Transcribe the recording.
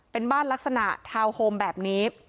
เป็นบ้านลักษณะทาวน์โฮมแบบนี้